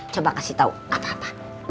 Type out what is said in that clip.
coba kasih tau gak apa apa